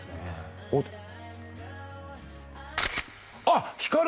大あっ光！